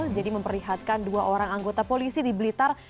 jadi memperlihatkan dua orang anggota polisi di blitar